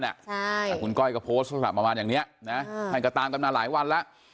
ใช่อ่าคุณก้อยก็โพสต์สำหรับประมาณอย่างเนี้ยนะอ่าท่านก็ตามกำลังหลายวันแล้ว